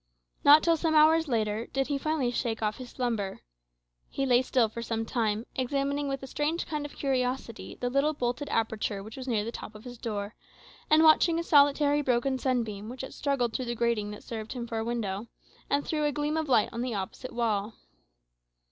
Not till some hours later did he finally shake off his slumber. He lay still for some time, examining with a strange kind of curiosity the little bolted aperture which was near the top of his door, and watching a solitary broken sunbeam which had struggled through the grating that served him for a window, and threw a gleam of light on the opposite wall.